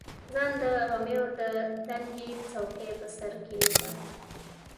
ځان د غمیو د دنګې څوکې په سر کې لیده.